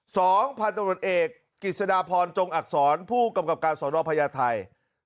สองพันตรวจเอกกิจสดาพรจงอักษรผู้กำกับการสอนอพญาไทย